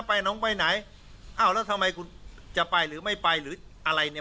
ไปน้องไปไหนอ้าวแล้วทำไมคุณจะไปหรือไม่ไปหรืออะไรเนี่ย